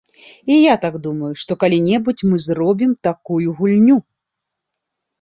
І я так думаю, што калі-небудзь мы зробім такую гульню.